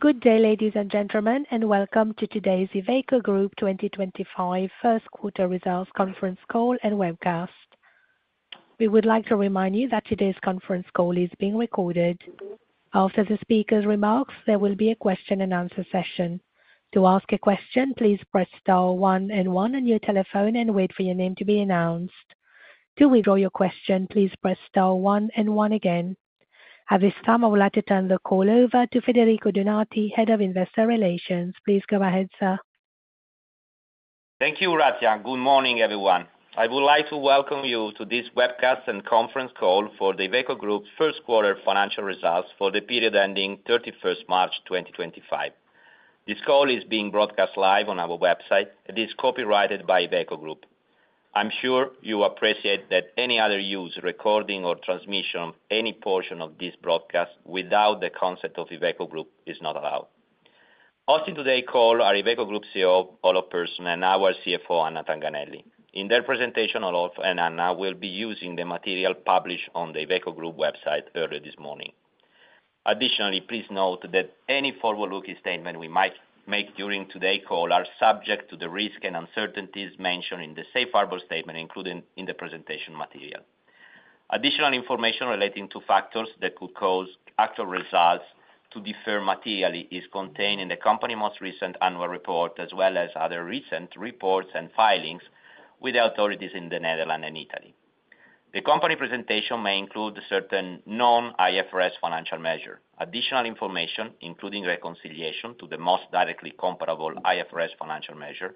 Good day, ladies and gentlemen, and welcome to today's Iveco Group 2025 first quarter results conference call and webcast. We would like to remind you that today's conference call is being recorded. After the speakers' remarks, there will be a question-and-answer session. To ask a question, please press star one and one on your telephone and wait for your name to be announced. To withdraw your question, please press star one and one again. At this time, I would like to turn the call over to Federico Donati, Head of Investor Relations. Please go ahead, sir. Thank you, Ratia. Good morning, everyone. I would like to welcome you to this webcast and conference call for the Iveco Group's first quarter financial results for the period ending 31st March 2025. This call is being broadcast live on our website, and it is copyrighted by Iveco Group. I'm sure you appreciate that any other use—recording or transmission of any portion of this broadcast without the consent of Iveco Group—is not allowed. Hosting today's call are Iveco Group CEO Olof Persson and our CFO, Anna Tanganelli. In their presentation, Olof and Anna will be using the material published on the Iveco Group website earlier this morning. Additionally, please note that any forward-looking statement we might make during today's call is subject to the risks and uncertainties mentioned in the safe harbor statement included in the presentation material. Additional information relating to factors that could cause actual results to differ materially is contained in the company's most recent annual report, as well as other recent reports and filings with the authorities in the Netherlands and Italy. The company presentation may include certain non-IFRS financial measures. Additional information, including reconciliation to the most directly comparable IFRS financial measures,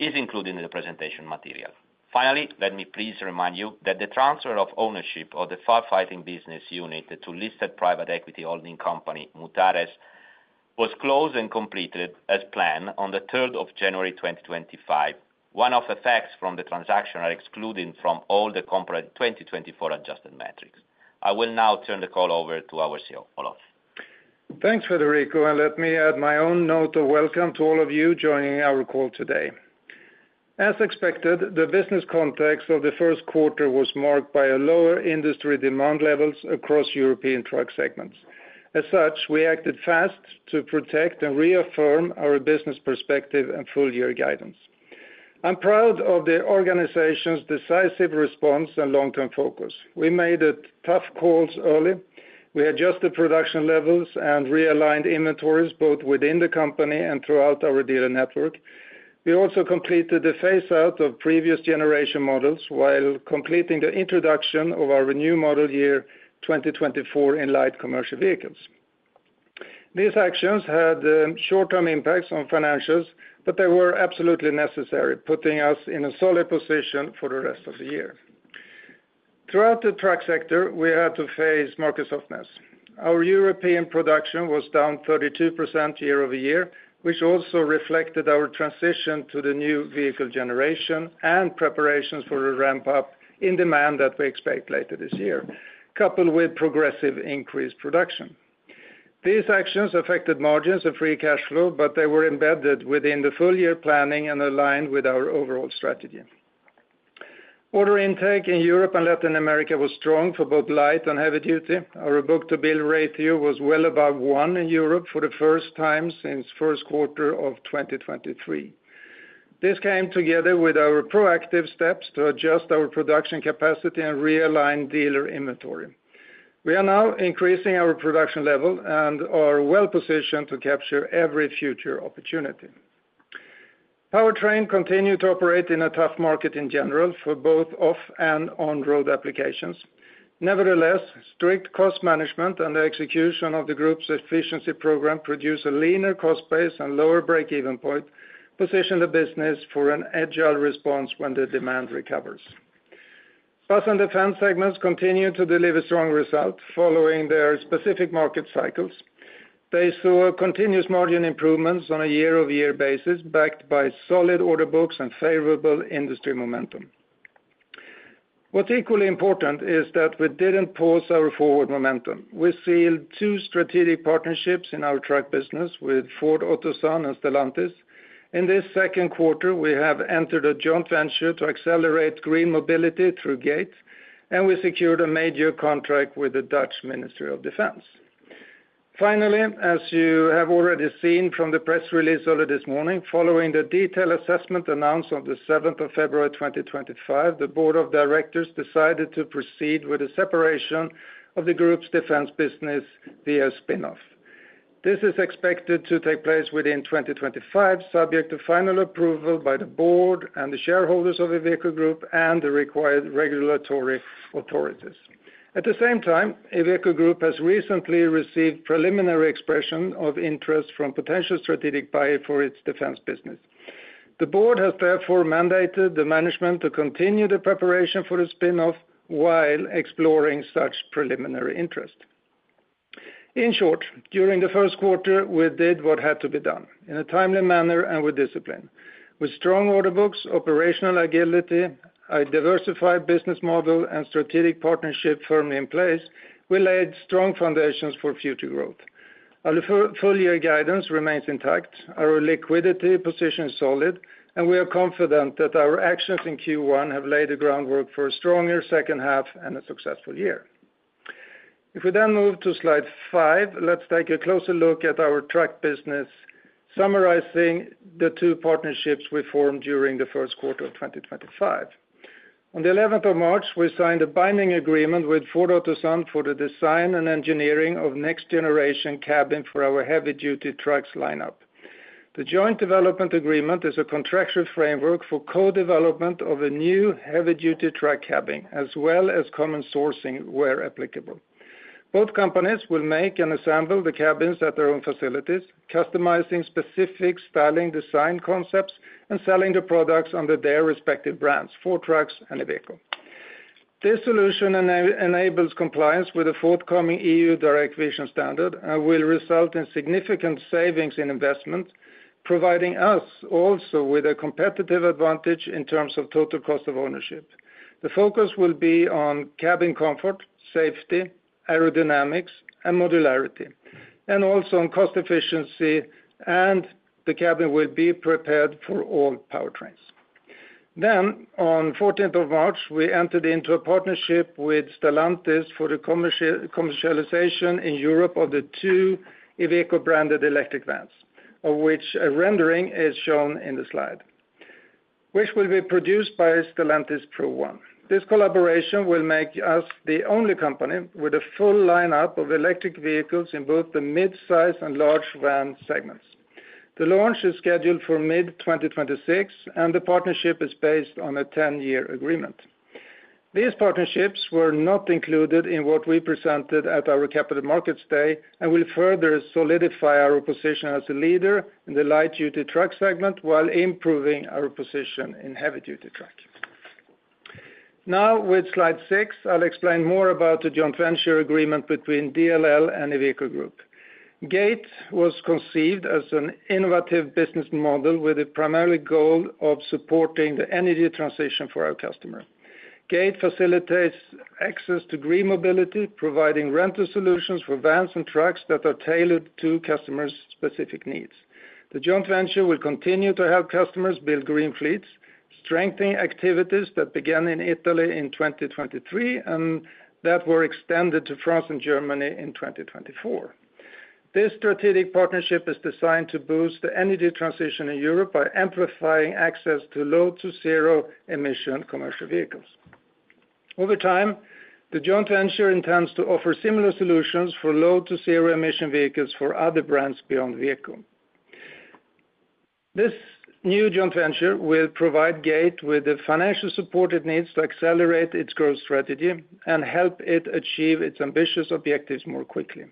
is included in the presentation material. Finally, let me please remind you that the transfer of ownership of the firefighting business unit to listed private equity holding company Mutares was closed and completed as planned on the 3rd of January 2025. One of the facts from the transaction is excluded from all the corporate 2024 adjusted metrics. I will now turn the call over to our CEO, Olof. Thanks, Federico. Let me add my own note of welcome to all of you joining our call today. As expected, the business context of the first quarter was marked by lower industry demand levels across European truck segments. As such, we acted fast to protect and reaffirm our business perspective and full-year guidance. I'm proud of the organization's decisive response and long-term focus. We made tough calls early. We adjusted production levels and realigned inventories both within the company and throughout our dealer network. We also completed the phase-out of previous-generation models while completing the introduction of our new Model Year 2024 in light commercial vehicles. These actions had short-term impacts on financials, but they were absolutely necessary, putting us in a solid position for the rest of the year. Throughout the truck sector, we had to face market softness. Our European production was down 32% year-over-year, which also reflected our transition to the new vehicle generation and preparations for a ramp-up in demand that we expect later this year, coupled with progressive increased production. These actions affected margins and free cash flow, but they were embedded within the full-year planning and aligned with our overall strategy. Order intake in Europe and Latin America was strong for both light and heavy duty. Our book-to-bill ratio was well above one in Europe for the first time since the first quarter of 2023. This came together with our proactive steps to adjust our production capacity and realign dealer inventory. We are now increasing our production level and are well-positioned to capture every future opportunity. Powertrain continued to operate in a tough market in general for both off- and on-road applications. Nevertheless, strict cost management and the execution of the group's efficiency program produced a leaner cost base and lower break-even point, positioning the business for an agile response when the demand recovers. Bus and defense segments continued to deliver strong results following their specific market cycles. They saw continuous margin improvements on a year-over-year basis, backed by solid order books and favorable industry momentum. What's equally important is that we didn't pause our forward momentum. We sealed two strategic partnerships in our truck business with Ford Otosan and Stellantis. In this second quarter, we have entered a joint venture to accelerate green mobility through GATE, and we secured a major contract with the Dutch Ministry of Defense. Finally, as you have already seen from the press release earlier this morning, following the detailed assessment announced on the 7th of February 2025, the Board of Directors decided to proceed with the separation of the group's defense business via a spin-off. This is expected to take place within 2025, subject to final approval by the Board and the shareholders of Iveco Group and the required regulatory authorities. At the same time, Iveco Group has recently received preliminary expression of interest from potential strategic buyers for its defense business. The Board has therefore mandated the management to continue the preparation for the spin-off while exploring such preliminary interest. In short, during the first quarter, we did what had to be done in a timely manner and with discipline. With strong order books, operational agility, a diversified business model, and strategic partnership firmly in place, we laid strong foundations for future growth. Our full-year guidance remains intact, our liquidity position is solid, and we are confident that our actions in Q1 have laid the groundwork for a stronger second half and a successful year. If we then move to slide five, let's take a closer look at our truck business, summarizing the two partnerships we formed during the first quarter of 2025. On the 11th of March, we signed a binding agreement with Ford Otosan for the design and engineering of next-generation cabin for our heavy-duty trucks lineup. The joint development agreement is a contractual framework for co-development of a new heavy-duty truck cabin, as well as common sourcing where applicable. Both companies will make and assemble the cabins at their own facilities, customizing specific styling design concepts and selling the products under their respective brands for trucks and Iveco. This solution enables compliance with the forthcoming EU Direct Vision standard and will result in significant savings in investment, providing us also with a competitive advantage in terms of total cost of ownership. The focus will be on cabin comfort, safety, aerodynamics, and modularity, and also on cost efficiency, and the cabin will be prepared for all PowerTrains. On the 14th of March, we entered into a partnership with Stellantis for the commercialization in Europe of the two Iveco-branded electric vans, of which a rendering is shown in the slide, which will be produced by Stellantis Pro One. This collaboration will make us the only company with a full lineup of electric vehicles in both the mid-size and large van segments. The launch is scheduled for mid-2026, and the partnership is based on a 10-year agreement. These partnerships were not included in what we presented at our Capital Markets Day and will further solidify our position as a leader in the light-duty truck segment while improving our position in heavy-duty truck. Now, with slide six, I'll explain more about the joint venture agreement between DLL and Iveco Group. GATE was conceived as an innovative business model with the primary goal of supporting the energy transition for our customer. GATE facilitates access to green mobility, providing rental solutions for vans and trucks that are tailored to customers' specific needs. The joint venture will continue to help customers build green fleets, strengthening activities that began in Italy in 2023 and that were extended to France and Germany in 2024. This strategic partnership is designed to boost the energy transition in Europe by amplifying access to low-to-zero-emission commercial vehicles. Over time, the joint venture intends to offer similar solutions for low-to-zero-emission vehicles for other brands beyond Iveco. This new joint venture will provide GATE with the financial support it needs to accelerate its growth strategy and help it achieve its ambitious objectives more quickly.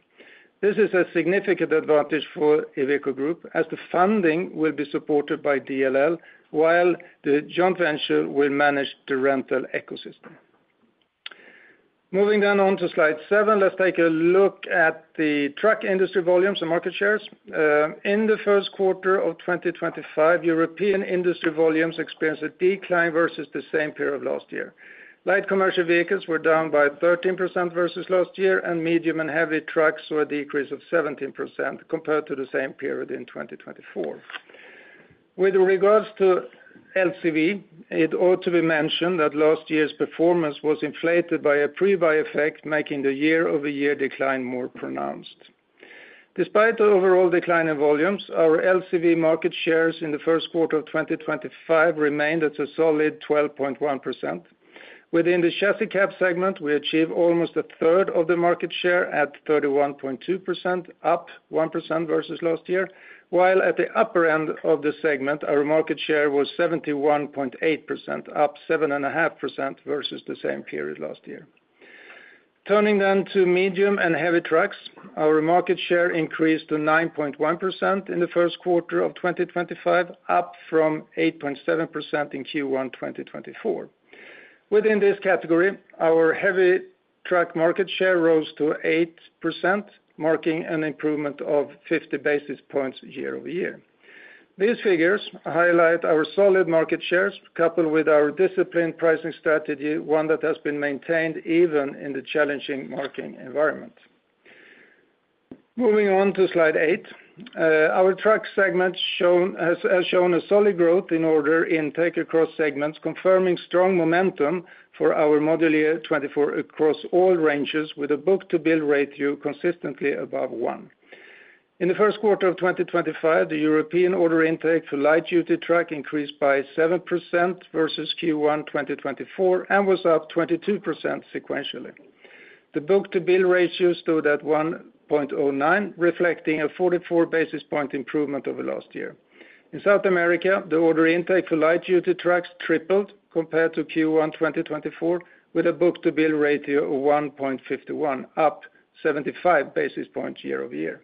This is a significant advantage for Iveco Group, as the funding will be supported by DLL, while the joint venture will manage the rental ecosystem. Moving then on to slide seven, let's take a look at the truck industry volumes and market shares. In the first quarter of 2025, European industry volumes experienced a decline versus the same period of last year. Light commercial vehicles were down by 13% versus last year, and medium and heavy trucks saw a decrease of 17% compared to the same period in 2024. With regards to LCV, it ought to be mentioned that last year's performance was inflated by a prebuy effect, making the year-over-year decline more pronounced. Despite the overall decline in volumes, our LCV market shares in the first quarter of 2025 remained at a solid 12.1%. Within the chassis cab segment, we achieved almost a third of the market share at 31.2%, up 1% versus last year, while at the upper end of the segment, our market share was 71.8%, up 7.5% versus the same period last year. Turning then to medium and heavy trucks, our market share increased to 9.1% in the first quarter of 2025, up from 8.7% in Q1 2024. Within this category, our heavy truck market share rose to 8%, marking an improvement of 50 basis points year-over-year. These figures highlight our solid market shares, coupled with our disciplined pricing strategy, one that has been maintained even in the challenging marketing environment. Moving on to slide eight, our truck segment has shown a solid growth in order intake across segments, confirming strong momentum for our Model Year 2024 across all ranges with a book-to-bill ratio consistently above one. In the first quarter of 2025, the European order intake for light-duty truck increased by 7% versus Q1 2024 and was up 22% sequentially. The book-to-bill ratio stood at 1.09, reflecting a 44 basis point improvement over last year. In South America, the order intake for light-duty trucks tripled compared to Q1 2024, with a book-to-bill ratio of 1.51, up 75 basis points year-over-year.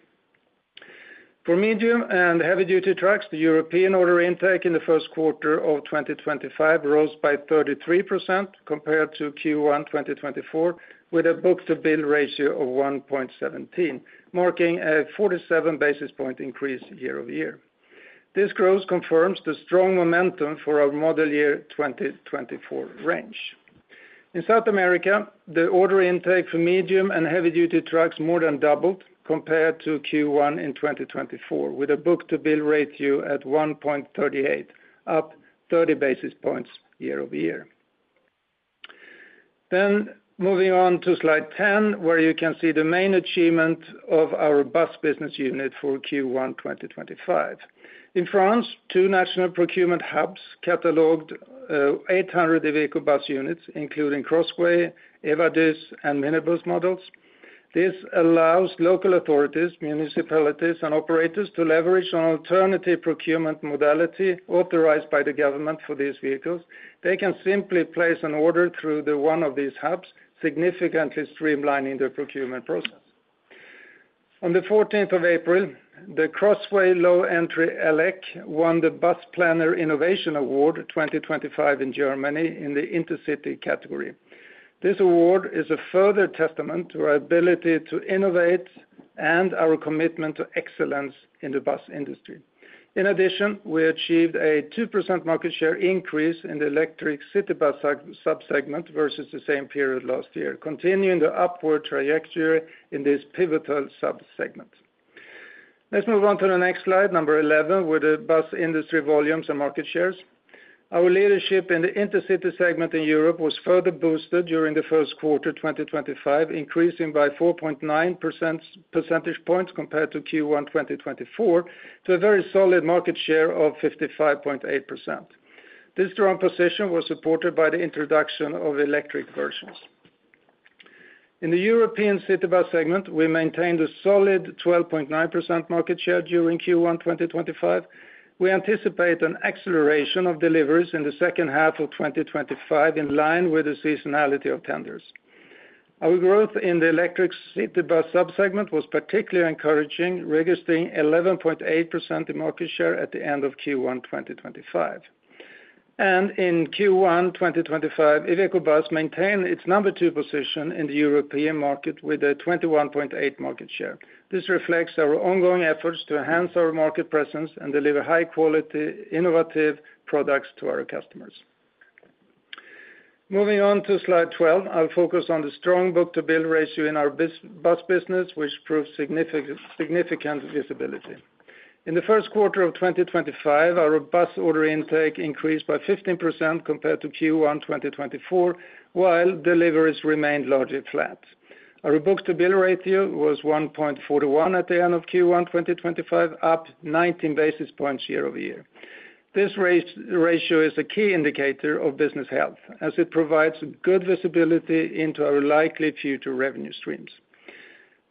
For medium and heavy-duty trucks, the European order intake in the first quarter of 2025 rose by 33% compared to Q1 2024, with a book-to-bill ratio of 1.17, marking a 47 basis point increase year-over-year. This growth confirms the strong momentum for our Model Year 2024 range. In South America, the order intake for medium and heavy-duty trucks more than doubled compared to Q1 in 2024, with a book-to-bill ratio at 1.38, up 30 basis points year-over-year. Moving on to slide 10, where you can see the main achievement of our bus business unit for Q1 2025. In France, two national procurement hubs cataloged 800 Iveco Bus units, including Crossway, Evadus, and Minibus models. This allows local authorities, municipalities, and operators to leverage an alternative procurement modality authorized by the government for these vehicles. They can simply place an order through one of these hubs, significantly streamlining their procurement process. On the 14th of April, the Crossway Low Entry Elek won the Bus Planner Innovation Award 2025 in Germany in the Intercity category. This award is a further testament to our ability to innovate and our commitment to excellence in the bus industry. In addition, we achieved a 2% market share increase in the electric city bus subsegment versus the same period last year, continuing the upward trajectory in this pivotal subsegment. Let's move on to the next slide, number 11, with the bus industry volumes and market shares. Our leadership in the intercity segment in Europe was further boosted during the first quarter 2025, increasing by 4.9 percentage points compared to Q1 2024 to a very solid market share of 55.8%. This strong position was supported by the introduction of electric versions. In the European city bus segment, we maintained a solid 12.9% market share during Q1 2025. We anticipate an acceleration of deliveries in the second half of 2025 in line with the seasonality of tenders. Our growth in the electric city bus subsegment was particularly encouraging, registering 11.8% market share at the end of Q1 2025. In Q1 2025, Iveco Bus maintained its number two position in the European market with a 21.8% market share. This reflects our ongoing efforts to enhance our market presence and deliver high-quality, innovative products to our customers. Moving on to slide 12, I'll focus on the strong book-to-bill ratio in our bus business, which proved significant visibility. In the first quarter of 2025, our bus order intake increased by 15% compared to Q1 2024, while deliveries remained largely flat. Our book-to-bill ratio was 1.41 at the end of Q1 2025, up 19 basis points year-over-year. This ratio is a key indicator of business health, as it provides good visibility into our likely future revenue streams.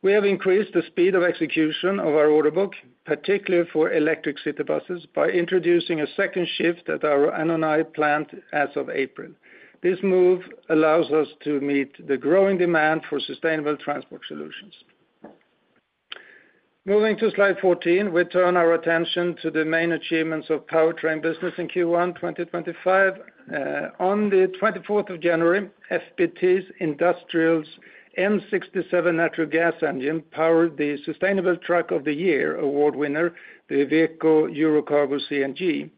We have increased the speed of execution of our order book, particularly for electric city buses, by introducing a second shift at our Annonay plant as of April. This move allows us to meet the growing demand for sustainable transport solutions. Moving to slide 14, we turn our attention to the main achievements of PowerTrain business in Q1 2025. On the 24th of January, FPT Industrial's M67 natural gas engine powered the Sustainable Truck of the Year award winner, the Iveco Eurocargo CNG.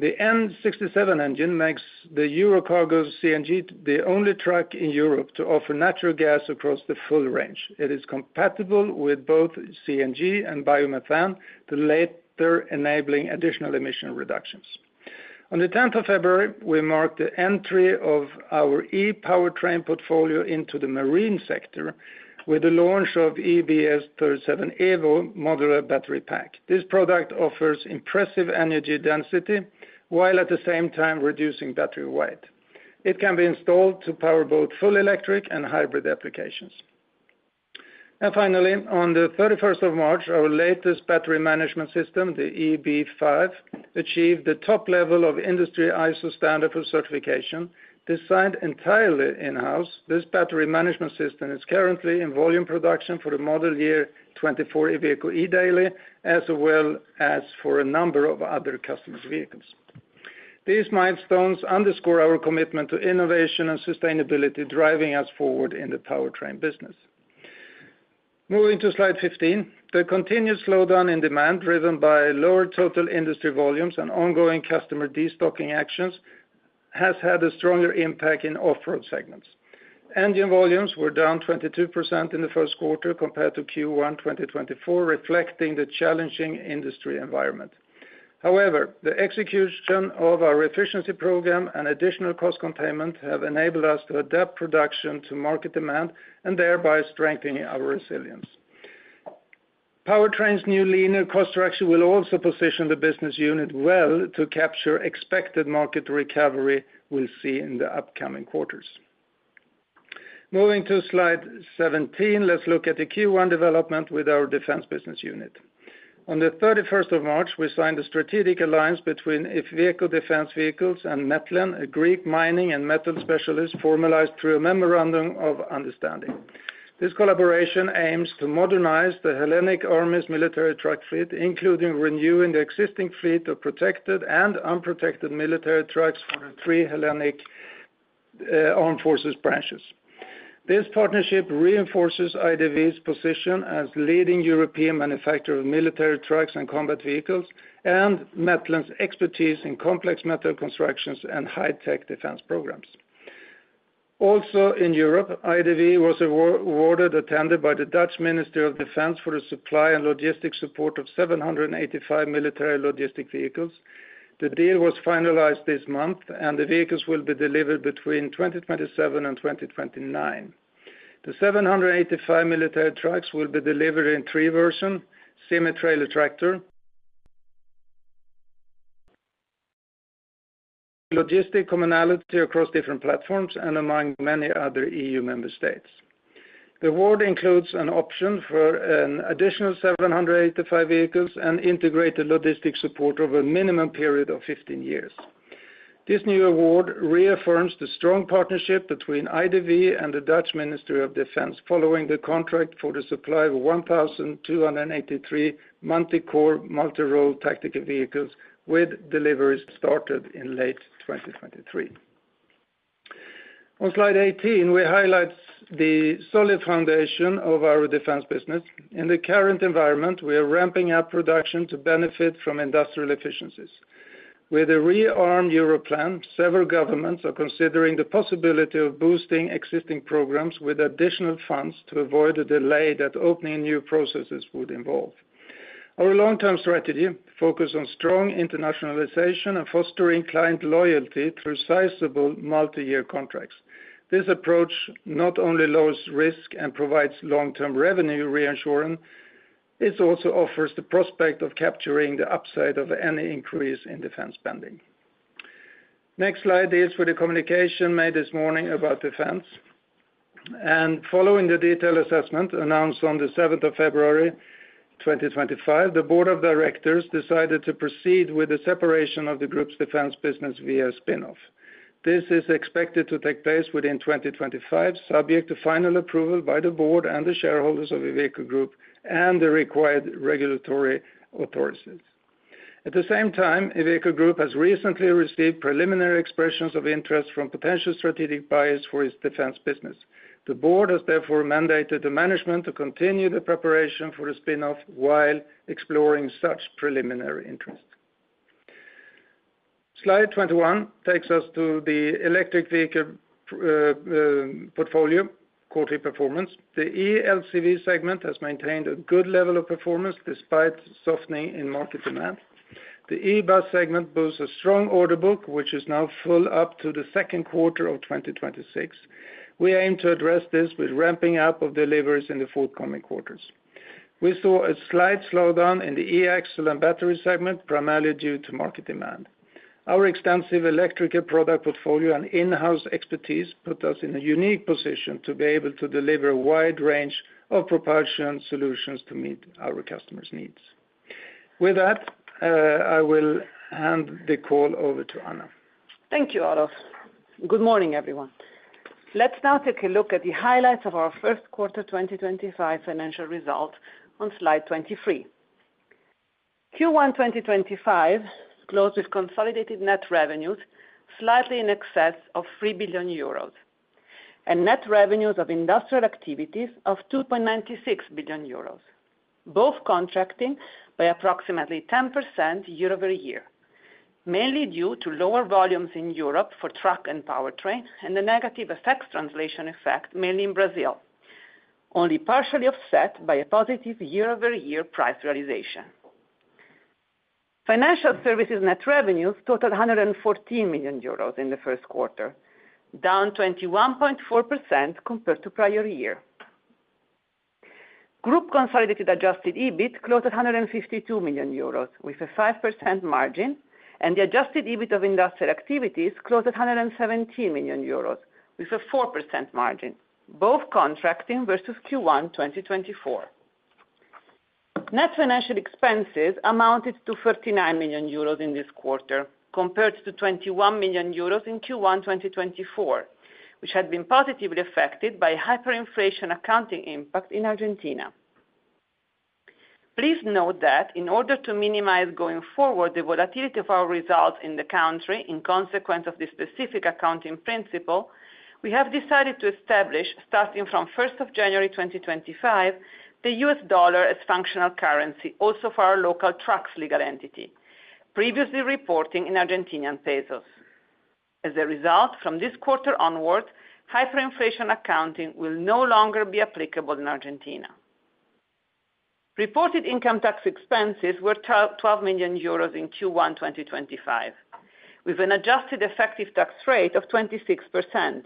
The M67 engine makes the Eurocargo CNG the only truck in Europe to offer natural gas across the full range. It is compatible with both CNG and biomethane, the latter enabling additional emission reductions. On the 10th of February, we marked the entry of our e-Powertrain portfolio into the marine sector with the launch of EBS37 Evo modular battery pack. This product offers impressive energy density while at the same time reducing battery weight. It can be installed to power both full electric and hybrid applications. Finally, on the 31st of March, our latest battery management system, the EB5, achieved the top level of industry ISO standard for certification, designed entirely in-house. This battery management system is currently in volume production for the Model Year 2024 Iveco eDaily, as well as for a number of other customers' vehicles. These milestones underscore our commitment to innovation and sustainability, driving us forward in the PowerTrain business. Moving to slide 15, the continued slowdown in demand driven by lower total industry volumes and ongoing customer destocking actions has had a stronger impact in off-road segments. Engine volumes were down 22% in the first quarter compared to Q1 2024, reflecting the challenging industry environment. However, the execution of our efficiency program and additional cost containment have enabled us to adapt production to market demand and thereby strengthen our resilience. PowerTrain's new linear construction will also position the business unit well to capture expected market recovery we will see in the upcoming quarters. Moving to slide 17, let's look at the Q1 development with our defense business unit. On the 31st of March, we signed a strategic alliance between Iveco Defence Vehicles and Metlin, a Greek mining and metal specialist, formalized through a memorandum of understanding. This collaboration aims to modernize the Hellenic Army's military truck fleet, including renewing the existing fleet of protected and unprotected military trucks for the three Hellenic Armed Forces branches. This partnership reinforces IDV's position as leading European manufacturer of military trucks and combat vehicles and Metlin's expertise in complex metal constructions and high-tech defense programs. Also in Europe, IDV was awarded, attended by the Dutch Ministry of Defense, for the supply and logistics support of 785 military logistic vehicles. The deal was finalized this month, and the vehicles will be delivered between 2027 and 2029. The 785 military trucks will be delivered in three versions: semi-trailer tractor, logistic commonality across different platforms, and among many other EU member states. The award includes an option for an additional 785 vehicles and integrated logistics support over a minimum period of 15 years. This new award reaffirms the strong partnership between IDV and the Dutch Ministry of Defense following the contract for the supply of 1,283 Montecor Multirole Tactical Vehicles with deliveries started in late 2023. On slide 18, we highlight the solid foundation of our defense business. In the current environment, we are ramping up production to benefit from industrial efficiencies. With the ReArm Europe plan, several governments are considering the possibility of boosting existing programs with additional funds to avoid the delay that opening new processes would involve. Our long-term strategy focuses on strong internationalization and fostering client loyalty through sizable multi-year contracts. This approach not only lowers risk and provides long-term revenue reassurance, it also offers the prospect of capturing the upside of any increase in defense spending. Next slide deals with the communication made this morning about defense. Following the detailed assessment announced on the 7th of February 2025, the Board of Directors decided to proceed with the separation of the group's defense business via spin-off. This is expected to take place within 2025, subject to final approval by the board and the shareholders of Iveco Group and the required regulatory authorities. At the same time, Iveco Group has recently received preliminary expressions of interest from potential strategic buyers for its defense business. The board has therefore mandated the management to continue the preparation for the spin-off while exploring such preliminary interest. Slide 21 takes us to the electric vehicle portfolio, quarterly performance. The e-LCV segment has maintained a good level of performance despite softening in market demand. The e-bus segment boasts a strong order book, which is now full up to the second quarter of 2026. We aim to address this with ramping up of deliveries in the forthcoming quarters. We saw a slight slowdown in the e-axle and battery segment, primarily due to market demand. Our extensive electrical product portfolio and in-house expertise put us in a unique position to be able to deliver a wide range of propulsion solutions to meet our customers' needs. With that, I will hand the call over to Anna. Thank you, Olof. Good morning, everyone. Let's now take a look at the highlights of our first quarter 2025 financial result on slide 23. Q1 2025 closed with consolidated net revenues slightly in excess of 3 billion euros and net revenues of industrial activities of 2.96 billion euros, both contracting by approximately 10% year-over-year, mainly due to lower volumes in Europe for truck and PowerTrain and the negative translation effect mainly in Brazil, only partially offset by a positive year-over-year price realization. Financial services net revenues totaled 114 million euros in the first quarter, down 21.4% compared to prior year. Group consolidated adjusted EBIT closed at 152 million euros with a 5% margin, and the adjusted EBIT of industrial activities closed at 117 million euros with a 4% margin, both contracting versus Q1 2024. Net financial expenses amounted to 39 million euros in this quarter compared to 21 million euros in Q1 2024, which had been positively affected by hyperinflation accounting impact in Argentina. Please note that in order to minimize going forward the volatility of our results in the country in consequence of the specific accounting principle, we have decided to establish, starting from January 1, 2025, the U.S. dollar as functional currency, also for our local trucks legal entity, previously reporting in Argentinian pesos. As a result, from this quarter onward, hyperinflation accounting will no longer be applicable in Argentina. Reported income tax expenses were 12 million euros in Q1 2025, with an adjusted effective tax rate of 26%,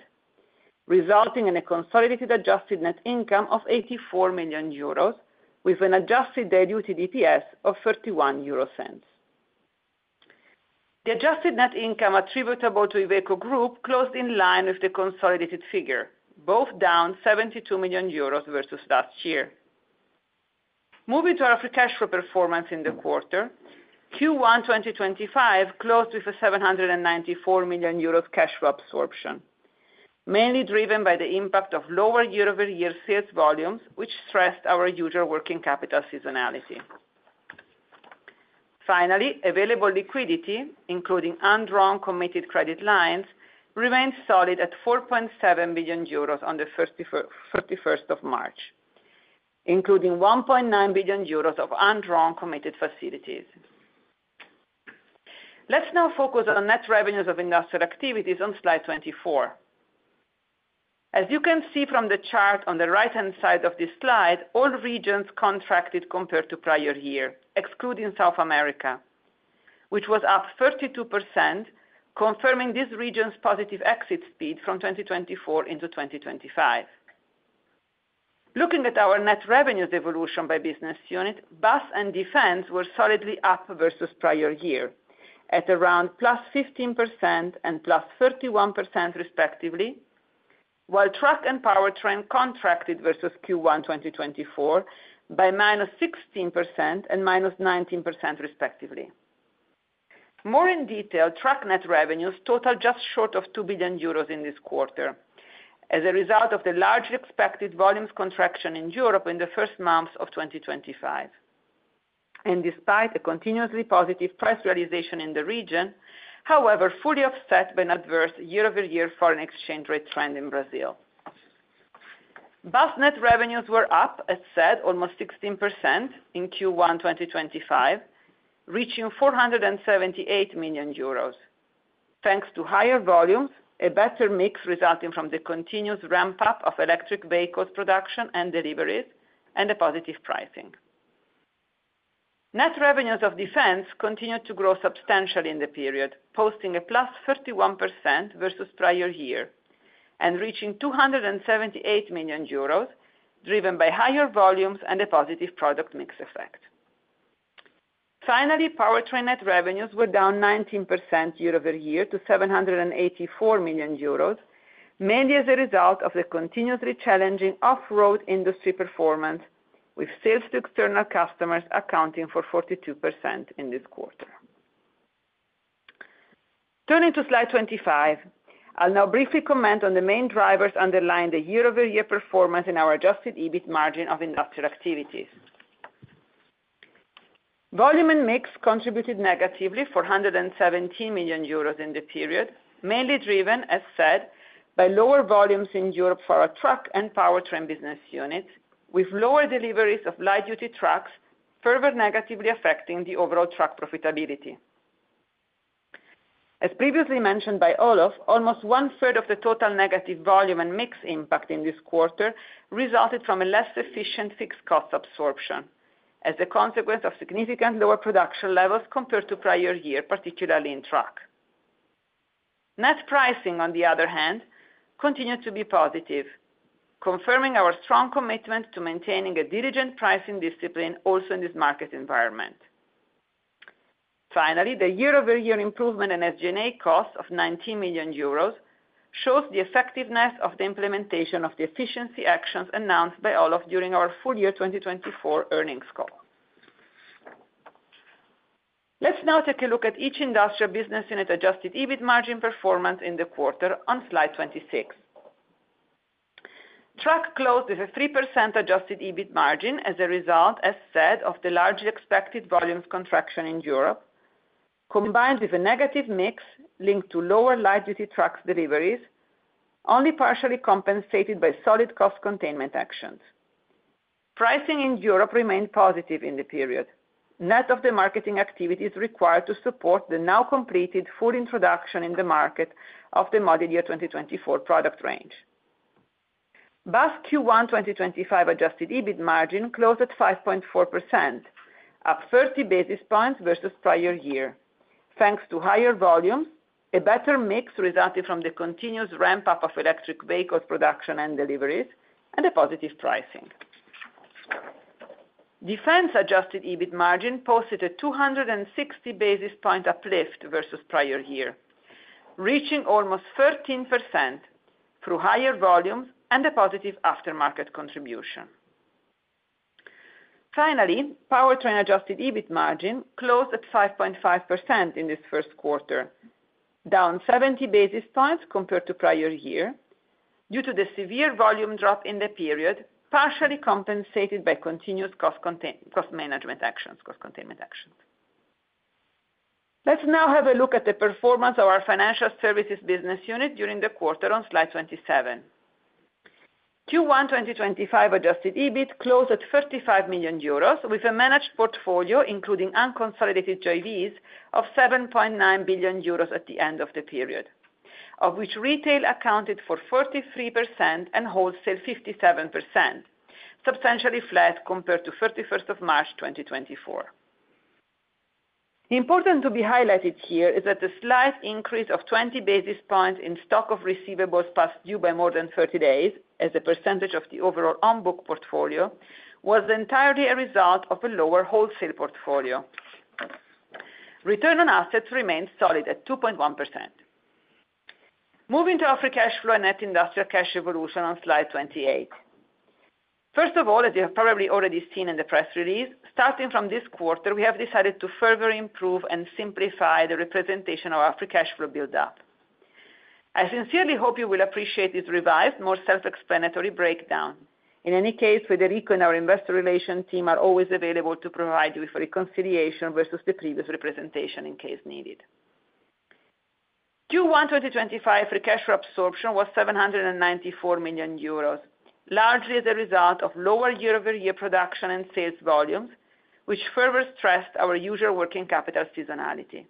resulting in a consolidated adjusted net income of 84 million euros with an adjusted day-duty DPS of 0.31. The adjusted net income attributable to Iveco Group closed in line with the consolidated figure, both down 72 million euros versus last year. Moving to our free cash flow performance in the quarter, Q1 2025 closed with a 794 million euros cash flow absorption, mainly driven by the impact of lower year-over-year sales volumes, which stressed our usual working capital seasonality. Finally, available liquidity, including undrawn committed credit lines, remained solid at 4.7 billion euros on the 31st of March, including 1.9 billion euros of undrawn committed facilities. Let's now focus on net revenues of industrial activities on slide 24. As you can see from the chart on the right-hand side of this slide, all regions contracted compared to prior year, excluding South America, which was up 32%, confirming this region's positive exit speed from 2024 into 2025. Looking at our net revenues evolution by business unit, bus and defense were solidly up versus prior year at around +15% and +31%, respectively, while truck and PowerTrain contracted versus Q1 2024 by -16% and -19%, respectively. More in detail, truck net revenues totaled just short of 2 billion euros in this quarter as a result of the large expected volumes contraction in Europe in the first months of 2025. Despite a continuously positive price realization in the region, however, fully offset by an adverse year-over-year foreign exchange rate trend in Brazil. Bus net revenues were up, as said, almost 16% in Q1 2025, reaching 478 million euros, thanks to higher volumes, a better mix resulting from the continuous ramp-up of electric vehicles production and deliveries, and the positive pricing. Net revenues of defense continued to grow substantially in the period, posting a +31% versus prior year and reaching 278 million euros, driven by higher volumes and a positive product mix effect. Finally, PowerTrain net revenues were down 19% year-over-year to 784 million euros, mainly as a result of the continuously challenging off-road industry performance, with sales to external customers accounting for 42% in this quarter. Turning to slide 25, I'll now briefly comment on the main drivers underlying the year-over-year performance in our adjusted EBIT margin of industrial activities. Volume and mix contributed negatively for 117 million euros in the period, mainly driven, as said, by lower volumes in Europe for our truck and PowerTrain business units, with lower deliveries of light-duty trucks further negatively affecting the overall truck profitability. As previously mentioned by Olof, almost one-third of the total negative volume and mix impact in this quarter resulted from a less efficient fixed cost absorption as a consequence of significantly lower production levels compared to prior year, particularly in truck. Net pricing, on the other hand, continued to be positive, confirming our strong commitment to maintaining a diligent pricing discipline also in this market environment. Finally, the year-over-year improvement in SG&A cost of 19 million euros shows the effectiveness of the implementation of the efficiency actions announced by Olof during our full year 2024 earnings call. Let's now take a look at each industrial business unit adjusted EBIT margin performance in the quarter on slide 26. Truck closed with a 3% adjusted EBIT margin as a result, as said, of the large expected volumes contraction in Europe, combined with a negative mix linked to lower light-duty trucks deliveries, only partially compensated by solid cost containment actions. Pricing in Europe remained positive in the period, net of the marketing activities required to support the now completed full introduction in the market of the Model Year 2024 product range. Bus Q1 2025 adjusted EBIT margin closed at 5.4%, up 30 basis points versus prior year, thanks to higher volumes, a better mix resulting from the continuous ramp-up of electric vehicles production and deliveries, and a positive pricing. Defense adjusted EBIT margin posted a 260 basis point uplift versus prior year, reaching almost 13% through higher volumes and a positive aftermarket contribution. Finally, PowerTrain adjusted EBIT margin closed at 5.5% in this first quarter, down 70 basis points compared to prior year due to the severe volume drop in the period, partially compensated by continuous cost management actions. Let's now have a look at the performance of our financial services business unit during the quarter on slide 27. Q1 2025 adjusted EBIT closed at 35 million euros, with a managed portfolio including unconsolidated JVs of 7.9 billion euros at the end of the period, of which retail accounted for 43% and wholesale 57%, substantially flat compared to 31st of March 2024. Important to be highlighted here is that the slight increase of 20 basis points in stock of receivables past due by more than 30 days as a percentage of the overall on-book portfolio was entirely a result of a lower wholesale portfolio. Return on assets remained solid at 2.1%. Moving to our free cash flow and net industrial cash evolution on slide 28. First of all, as you have probably already seen in the press release, starting from this quarter, we have decided to further improve and simplify the representation of our free cash flow build-up. I sincerely hope you will appreciate this revised, more self-explanatory breakdown. In any case, Federico and our investor relations team are always available to provide you with reconciliation versus the previous representation in case needed. Q1 2025 free cash flow absorption was 794 million euros, largely as a result of lower year-over-year production and sales volumes, which further stressed our usual working capital seasonality.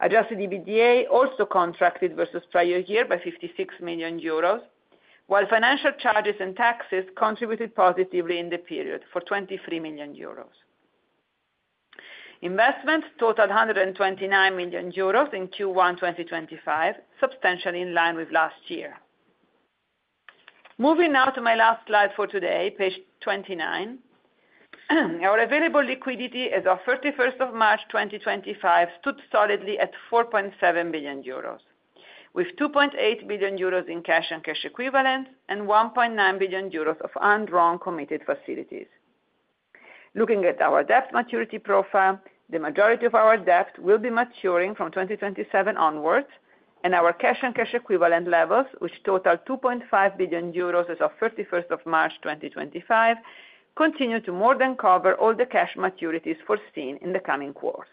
Adjusted EBITDA also contracted versus prior year by 56 million euros, while financial charges and taxes contributed positively in the period for 23 million euros. Investment totaled 129 million euros in Q1 2025, substantially in line with last year. Moving now to my last slide for today, page 29. Our available liquidity as of 31st of March 2025 stood solidly at 4.7 billion euros, with 2.8 billion euros in cash and cash equivalents and 1.9 billion euros of undrawn committed facilities. Looking at our debt maturity profile, the majority of our debt will be maturing from 2027 onwards, and our cash and cash equivalent levels, which totaled 2.5 billion euros as of 31st of March 2025, continue to more than cover all the cash maturities foreseen in the coming quarters.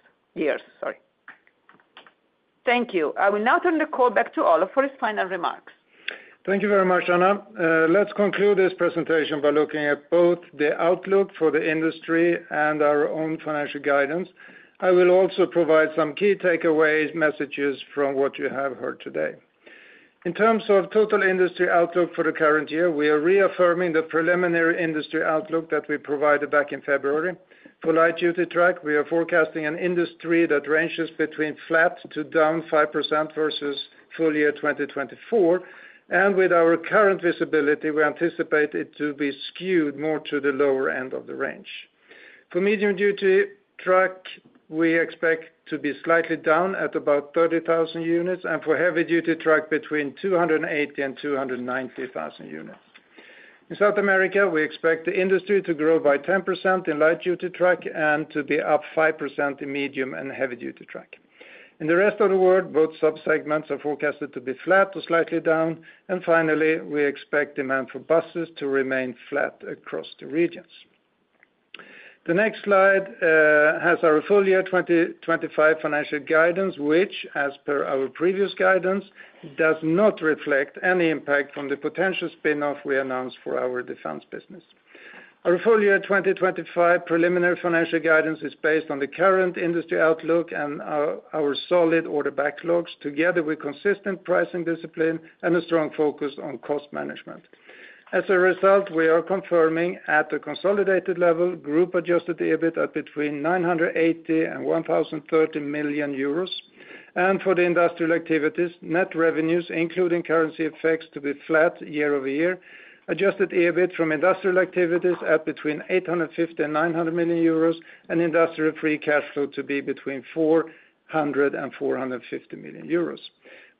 Thank you. I will now turn the call back to Olof for his final remarks. Thank you very much, Anna. Let's conclude this presentation by looking at both the outlook for the industry and our own financial guidance. I will also provide some key takeaway messages from what you have heard today. In terms of total industry outlook for the current year, we are reaffirming the preliminary industry outlook that we provided back in February. For light-duty truck, we are forecasting an industry that ranges between flat to down 5% versus full year 2024. With our current visibility, we anticipate it to be skewed more to the lower end of the range. For medium-duty truck, we expect to be slightly down at about 30,000 units, and for heavy-duty truck, between 280,000-290,000 units. In South America, we expect the industry to grow by 10% in light-duty truck and to be up 5% in medium and heavy-duty truck. In the rest of the world, both subsegments are forecasted to be flat or slightly down. Finally, we expect demand for buses to remain flat across the regions. The next slide has our full year 2025 financial guidance, which, as per our previous guidance, does not reflect any impact from the potential spin-off we announced for our defense business. Our full year 2025 preliminary financial guidance is based on the current industry outlook and our solid order backlogs, together with consistent pricing discipline and a strong focus on cost management. As a result, we are confirming at the consolidated level, group adjusted EBIT at between 980 million and 1,030 million euros. For the industrial activities, net revenues, including currency effects, to be flat year-over-year, adjusted EBIT from industrial activities at between 850 million and 900 million euros, and industrial free cash flow to be between 400 million euros and 450 million euros.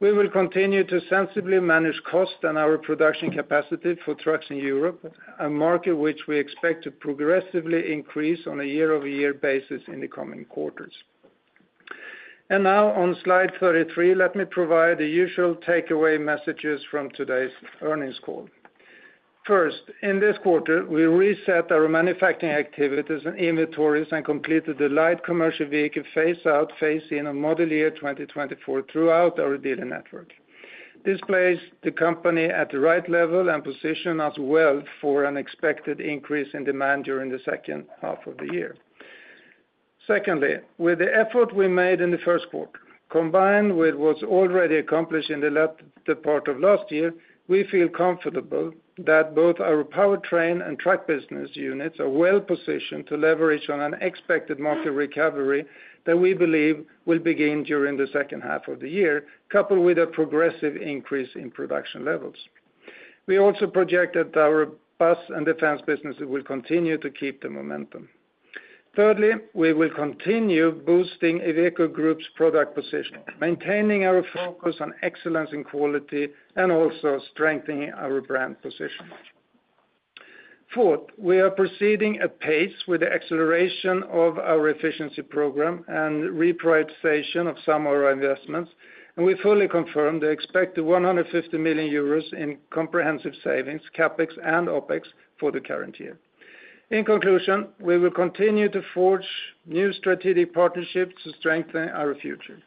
We will continue to sensibly manage costs and our production capacity for trucks in Europe, a market which we expect to progressively increase on a year-over-year basis in the coming quarters. On slide 33, let me provide the usual takeaway messages from today's earnings call. First, in this quarter, we reset our manufacturing activities and inventories and completed the light commercial vehicle phase-out, phase-in, and model year 2024 throughout our dealer network. This placed the company at the right level and positioned us well for an expected increase in demand during the second half of the year. Secondly, with the effort we made in the first quarter, combined with what's already accomplished in the latter part of last year, we feel comfortable that both our PowerTrain and truck business units are well positioned to leverage on an expected market recovery that we believe will begin during the second half of the year, coupled with a progressive increase in production levels. We also project that our bus and defense businesses will continue to keep the momentum. Thirdly, we will continue boosting Iveco Group's product position, maintaining our focus on excellence in quality and also strengthening our brand position. Fourth, we are proceeding at pace with the acceleration of our efficiency program and reprioritization of some of our investments, and we fully confirm the expected 150 million euros in comprehensive savings, CapEx and OpEx for the current year. In conclusion, we will continue to forge new strategic partnerships to strengthen our future.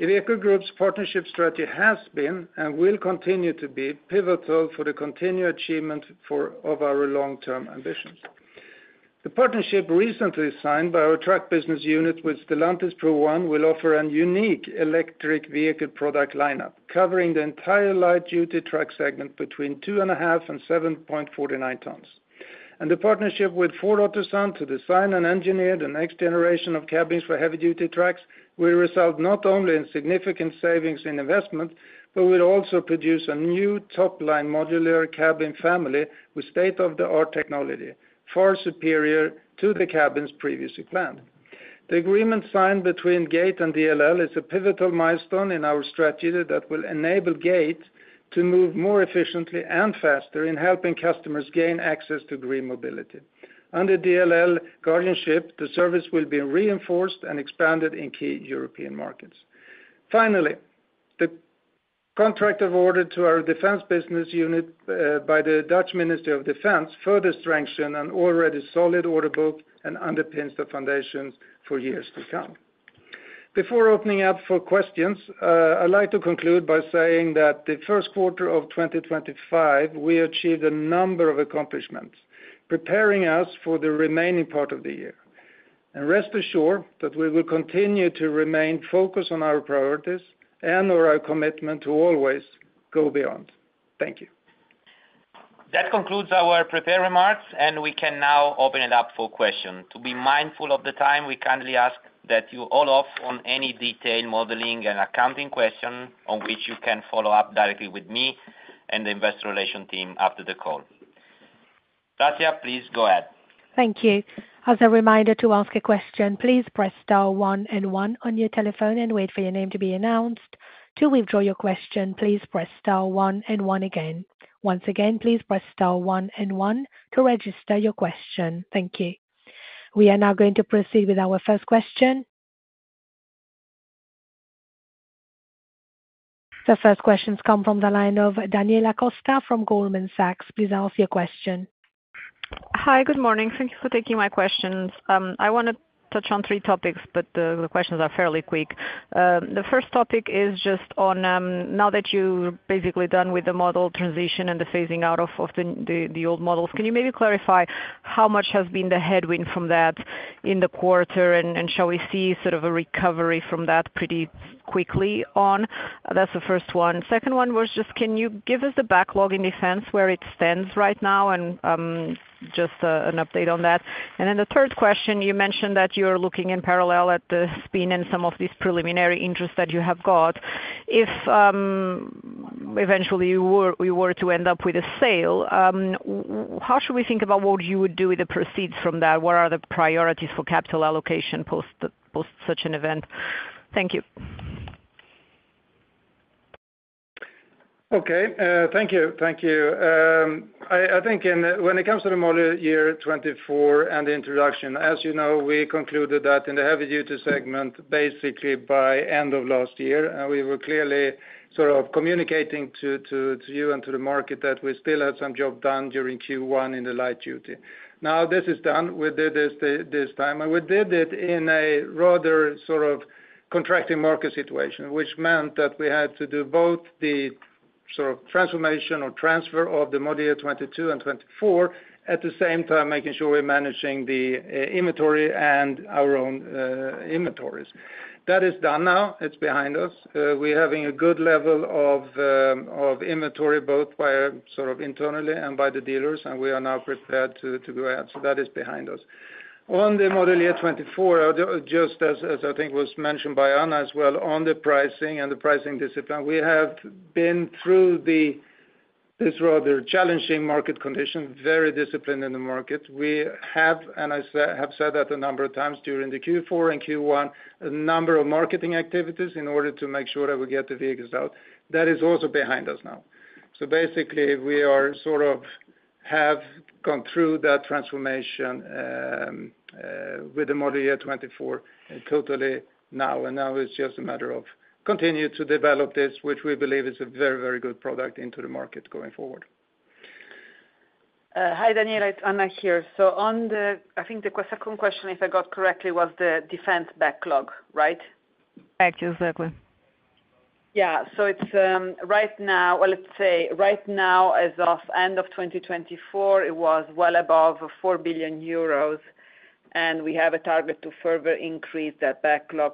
Iveco Group's partnership strategy has been and will continue to be pivotal for the continued achievement of our long-term ambitions. The partnership recently signed by our truck business unit with Stellantis Pro One will offer a unique electric vehicle product lineup covering the entire light-duty truck segment between 2.5 and 7.49 tons. The partnership with Ford Otosan to design and engineer the next generation of cabins for heavy-duty trucks will result not only in significant savings in investment, but will also produce a new top-line modular cabin family with state-of-the-art technology, far superior to the cabins previously planned. The agreement signed between GATE and DLL is a pivotal milestone in our strategy that will enable GATE to move more efficiently and faster in helping customers gain access to green mobility. Under DLL guardianship, the service will be reinforced and expanded in key European markets. Finally, the contract of order to our defense business unit by the Dutch Ministry of Defense further strengthens an already solid order book and underpins the foundations for years to come. Before opening up for questions, I'd like to conclude by saying that the first quarter of 2025, we achieved a number of accomplishments, preparing us for the remaining part of the year. Rest assured that we will continue to remain focused on our priorities and our commitment to always go beyond. Thank you. That concludes our prepared remarks, and we can now open it up for questions. To be mindful of the time, we kindly ask that you all opt on any detailed modeling and accounting question on which you can follow up directly with me and the investor relations team after the call. Tracia, please go ahead. Thank you. As a reminder to ask a question, please press star one and one on your telephone and wait for your name to be announced. To withdraw your question, please press star one and one again. Once again, please press star one and one to register your question. Thank you. We are now going to proceed with our first question. The first questions come from the line of Daniela Costa from Goldman Sachs. Please ask your question. Hi, good morning. Thank you for taking my questions. I want to touch on three topics, but the questions are fairly quick. The first topic is just on now that you're basically done with the model transition and the phasing out of the old models, can you maybe clarify how much has been the headwind from that in the quarter and shall we see sort of a recovery from that pretty quickly on? That's the first one. Second one was just, can you give us the backlog in defense where it stands right now and just an update on that? And then the third question, you mentioned that you're looking in parallel at the spin and some of these preliminary interests that you have got. If eventually we were to end up with a sale, how should we think about what you would do with the proceeds from that? What are the priorities for capital allocation post such an event? Thank you. Okay. Thank you. Thank you. I think when it comes to the Model Year 2024 and the introduction, as you know, we concluded that in the heavy-duty segment basically by end of last year. We were clearly sort of communicating to you and to the market that we still had some job done during Q1 in the light-duty. Now, this is done with this time. We did it in a rather sort of contracting market situation, which meant that we had to do both the sort of transformation or transfer of the model year 22 and 24 at the same time, making sure we are managing the inventory and our own inventories. That is done now. It is behind us. We are having a good level of inventory both internally and by the dealers, and we are now prepared to go ahead. That is behind us. On the model year 24, just as I think was mentioned by Anna as well on the pricing and the pricing discipline, we have been through this rather challenging market condition, very disciplined in the market. We have, and I have said that a number of times during the Q4 and Q1, a number of marketing activities in order to make sure that we get the vehicles out. That is also behind us now. Basically, we have gone through that transformation with the Model Year 2024 totally now. Now it is just a matter of continuing to develop this, which we believe is a very, very good product into the market going forward. Hi, Daniela. It is Anna here. On the, I think the second question, if I got it correctly, was the defense backlog, right? Correct. Exactly. It is right now, let us say right now as of end of 2024, it was well above 4 billion euros, and we have a target to further increase that backlog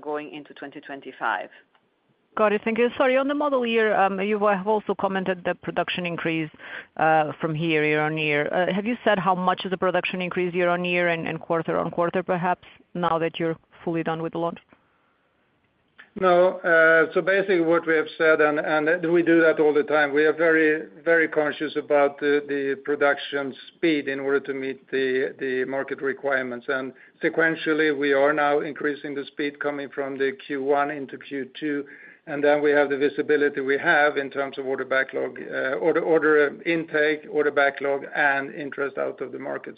going into 2025. Got it. Thank you. Sorry. On the model year, you have also commented the production increase from year-on-year. Have you said how much is the production increase year-on-year and quarter-on-quarter, perhaps, now that you're fully done with the launch? No. Basically, what we have said, and we do that all the time, we are very, very conscious about the production speed in order to meet the market requirements. Sequentially, we are now increasing the speed coming from Q1 into Q2. We have the visibility we have in terms of order backlog, order intake, order backlog, and interest out of the market.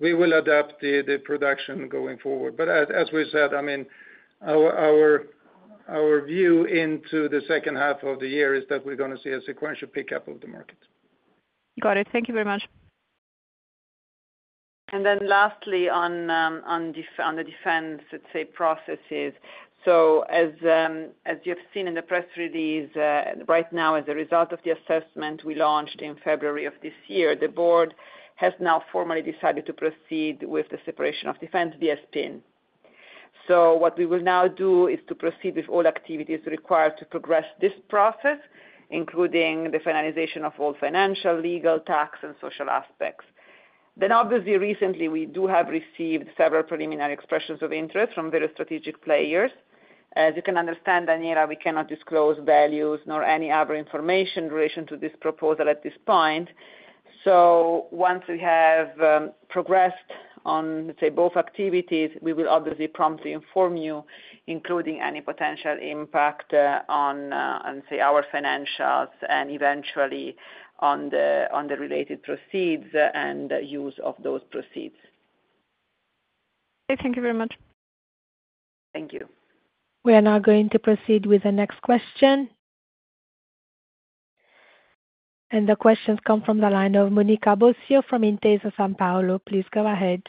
We will adapt the production going forward. As we said, I mean, our view into the second half of the year is that we're going to see a sequential pickup of the market. Got it. Thank you very much. Lastly, on the defense, let's say, processes. As you have seen in the press release, right now, as a result of the assessment we launched in February of this year, the board has now formally decided to proceed with the separation of defense via spin. What we will now do is to proceed with all activities required to progress this process, including the finalization of all financial, legal, tax, and social aspects. Obviously, recently, we do have received several preliminary expressions of interest from various strategic players. As you can understand, Daniela, we cannot disclose values nor any other information in relation to this proposal at this point. Once we have progressed on, let's say, both activities, we will obviously promptly inform you, including any potential impact on, let's say, our financials and eventually on the related proceeds and use of those proceeds. Thank you very much. Thank you. We are now going to proceed with the next question. The questions come from the line of Monica Bosio from Intesa Sanpaolo. Please go ahead.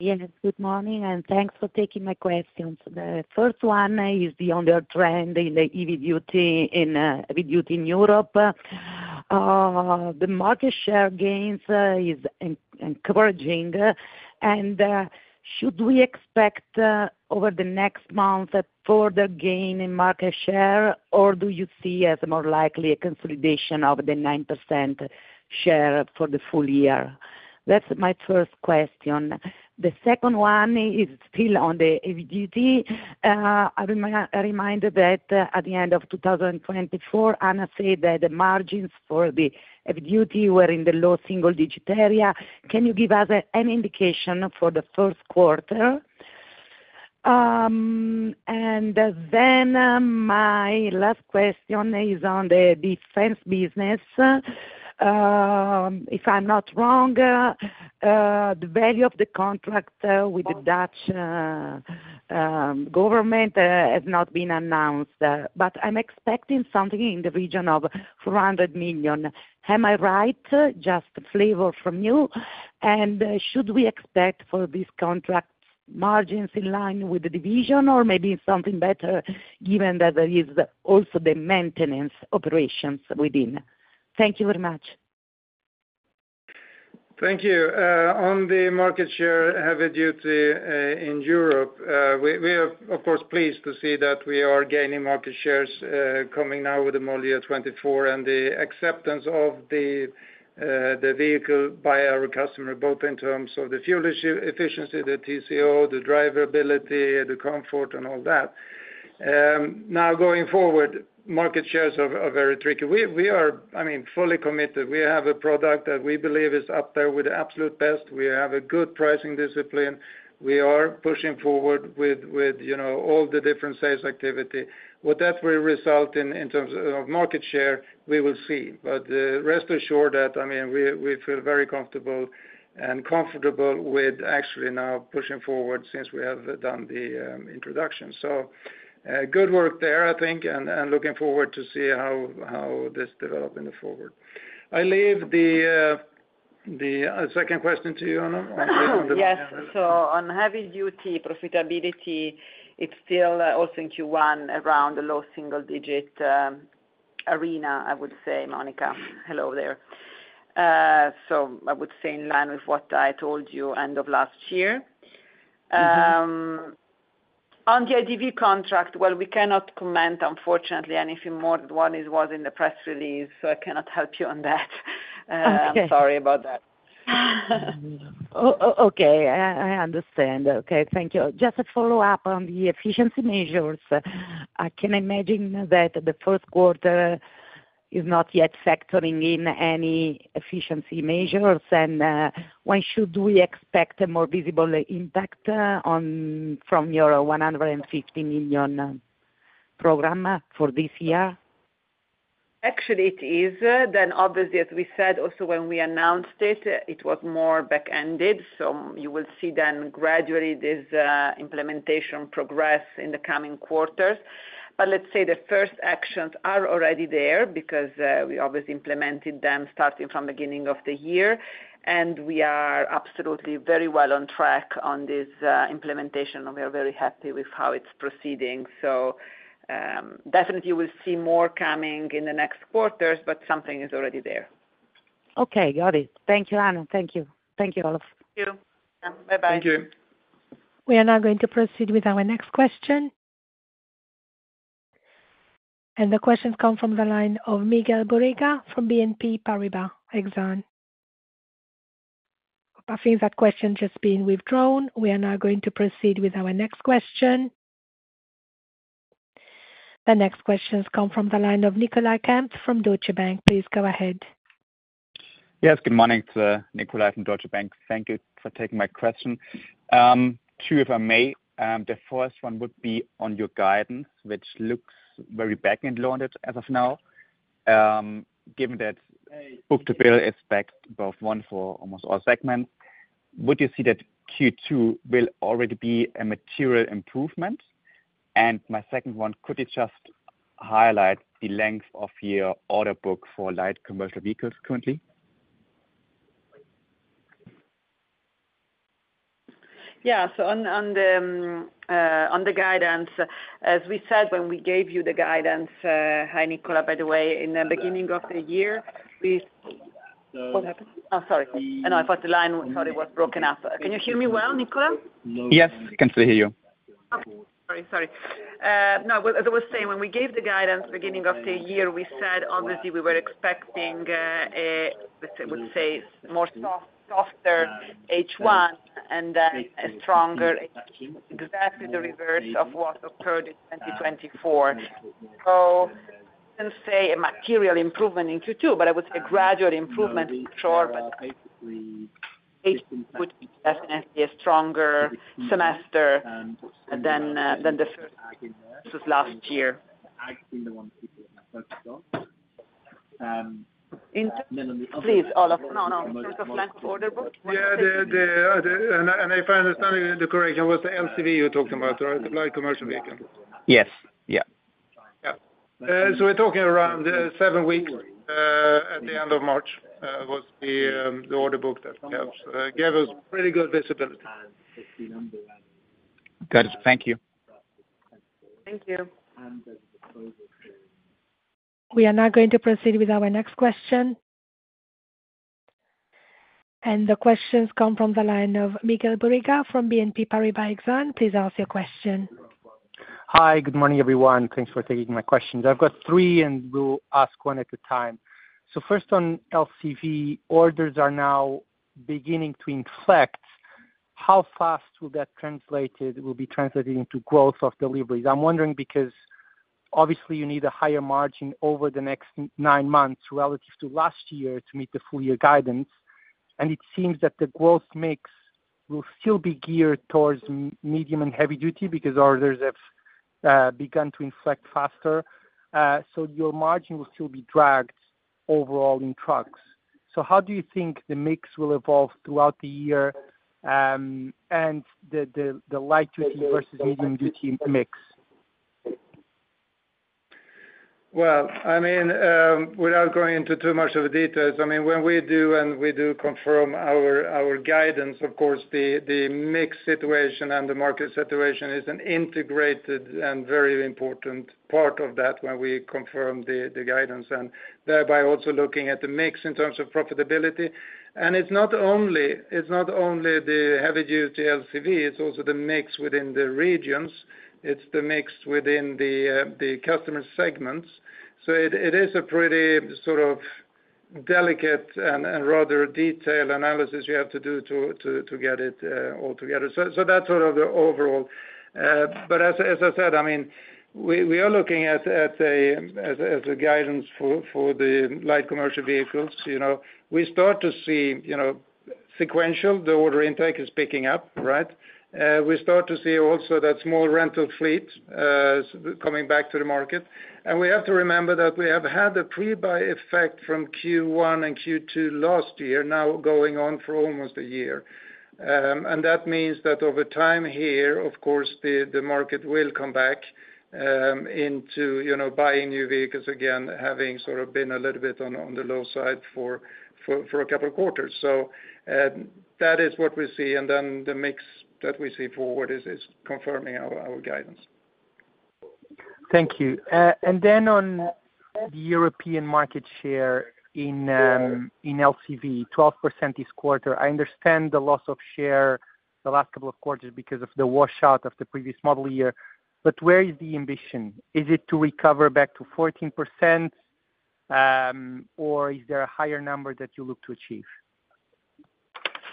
Yes. Good morning, and thanks for taking my questions. The first one is the ongoing trend in the heavy-duty in Europe. The market share gains is encouraging. Should we expect over the next month a further gain in market share, or do you see as more likely a consolidation of the 9% share for the full year? That is my first question. The second one is still on the heavy-duty. I remind you that at the end of 2024, Anna said that the margins for the heavy-duty were in the low single-digit area. Can you give us any indication for the first quarter? Then my last question is on the defense business. If I'm not wrong, the value of the contract with the Dutch government has not been announced, but I'm expecting something in the region of 400 million. Am I right? Just flavor from you. Should we expect for this contract margins in line with the division or maybe something better given that there is also the maintenance operations within? Thank you very much. Thank you. On the market share, heavy-duty in Europe, we are, of course, pleased to see that we are gaining market shares coming now with the Model Year 2024 and the acceptance of the vehicle by our customer, both in terms of the fuel efficiency, the TCO, the driver ability, the comfort, and all that. Now, going forward, market shares are very tricky. I mean, fully committed. We have a product that we believe is up there with the absolute best. We have a good pricing discipline. We are pushing forward with all the different sales activity. What that will result in in terms of market share, we will see. Rest assured that, I mean, we feel very comfortable and comfortable with actually now pushing forward since we have done the introduction. Good work there, I think, and looking forward to see how this develops in the forward. I leave the second question to you on the defense. Yes. On heavy-duty profitability, it is still also in Q1 around the low single-digit arena, I would say, Monica. Hello there. I would say in line with what I told you end of last year. On the IDV contract, we cannot comment, unfortunately, anything more than what it was in the press release, so I cannot help you on that. I am sorry about that. Okay. I understand. Okay. Thank you. Just a follow-up on the efficiency measures. I can imagine that the first quarter is not yet factoring in any efficiency measures. When should we expect a more visible impact from your 150 million program for this year? Actually, it is. As we said also when we announced it, it was more back-ended. You will see then gradually this implementation progress in the coming quarters. The first actions are already there because we obviously implemented them starting from the beginning of the year. We are absolutely very well on track on this implementation, and we are very happy with how it is proceeding. We will see more coming in the next quarters, but something is already there. Okay. Got it. Thank you, Anna. Thank you. Thank you, Olof. Thank you. Bye-bye. Thank you. We are now going to proceed with our next question. The questions come from the line of Miguel Borrega from BNP Paribas. Excellent. I think that question has just been withdrawn. We are now going to proceed with our next question. The next questions come from the line of Nicolai Kempf from Deutsche Bank. Please go ahead. Yes. Good morning. It's Nicolai from Deutsche Bank. Thank you for taking my question. Two, if I may. The first one would be on your guidance, which looks very back-end launched as of now. Given that book-to-bill is backed both once for almost all segments, would you see that Q2 will already be a material improvement? And my second one, could you just highlight the length of your order book for light commercial vehicles currently? Yeah. On the guidance, as we said when we gave you the guidace, hi Nicolai, by the way, in the beginning of the year, we—what happened? Oh, sorry. I thought the line—sorry, it was broken up. Can you hear me well, Nicolai? Yes. I can still hear you. Sorry. No, I was saying when we gave the guidance beginning of the year, we said obviously we were expecting, let's say, more softer H1 and then a stronger H2, exactly the reverse of what occurred in 2024. I would not say a material improvement in Q2, but I would say a gradual improvement for sure. H2 would be definitely a stronger semester than the first versus last year. Please, Olof. No, no. In terms of length of order book? Yeah. If I understand the correction, was the LCV you were talking about, right, of light commercial vehicles? Yes. Yeah. Yeah. We are talking around seven weeks at the end of March was the order book that gave us pretty good visibility. Got it. Thank you. Thank you. We are now going to proceed with our next question. The questions come from the line of Miguel Borrega from BNP Paribas. Excellent. Please ask your question. Hi. Good morning, everyone. Thanks for taking my questions. I have three, and will ask one at a time. First on LCV, orders are now beginning to inflect. How fast will that translated, will be translated into growth of deliveries? I am wondering because obviously you need a higher margin over the next nine months relative to last year to meet the full-year guidance. It seems that the growth mix will still be geared towards medium and heavy-duty because orders have begun to inflect faster. Your margin will still be dragged overall in trucks. How do you think the mix will evolve throughout the year and the light-duty versus medium-duty mix? I mean, without going into too much of a detail, when we do and we do confirm our guidance, of course, the mix situation and the market situation is an integrated and very important part of that when we confirm the guidance and thereby also looking at the mix in terms of profitability. It is not only the heavy-duty LCV, it is also the mix within the regions. It is the mix within the customer segments. It is a pretty sort of delicate and rather detailed analysis you have to do to get it all together. That's sort of the overall. As I said, I mean, we are looking at the guidance for the light commercial vehicles. We start to see sequentially, the order intake is picking up, right? We start to see also that small rental fleet coming back to the market. We have to remember that we have had a pre-buy effect from Q1 and Q2 last year, now going on for almost a year. That means that over time here, of course, the market will come back into buying new vehicles again, having sort of been a little bit on the low side for a couple of quarters. That is what we see. The mix that we see forward is confirming our guidance. Thank you. On the European market share in LCV, 12% this quarter. I understand the loss of share the last couple of quarters because of the washout of the previous model year. Where is the ambition? Is it to recover back to 14%, or is there a higher number that you look to achieve?